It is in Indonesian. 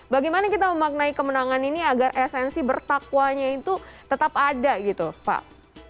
bagaimana kita memaknai kemenangan ini agar esensi bertakwanya itu tetap ada gitu pak